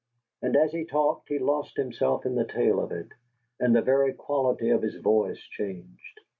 And as he talked he lost himself in the tale of it, and the very quality of his voice changed.